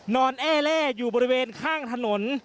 แอ้แร่อยู่บริเวณข้างถนน